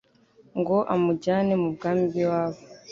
ngo amujyane mu bwami bw'iwabo